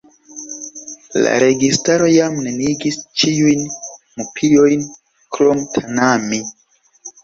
La registaro jam neniigis ĉiujn mupiojn krom Tanami.